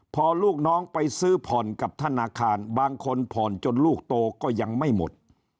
พอลูกน้องไปซื้อผ่อนกับธนาคารบางคนผ่อนจนลูกโตก็ยังไม่หมด